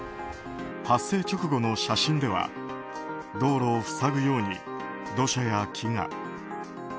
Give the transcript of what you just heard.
発生直後の写真では道路を塞ぐように土砂や木が。